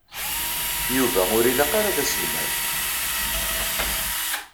Yuba ur ilaq ara d aselmad.